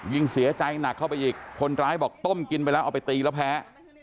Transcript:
ยิ่งเสียใจหนักเข้าไปอีกคนร้ายบอกต้มกินไปแล้วเอาไปตีแล้วแพ้